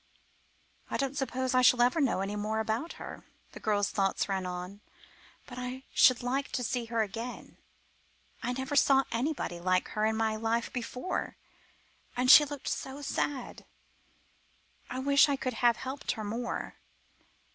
"I don't suppose I shall ever know any more about her," the girl's thoughts ran on, "but I should like to see her again. I never saw anybody like her in my life before, and she looked so sad; I wish I could have helped her more."